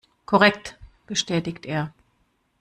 Korrekt, bestätigt er.